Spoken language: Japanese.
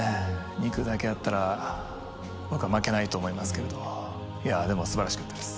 肉だけあったら僕は負けないと思いますけれどいやでも素晴らしかったです。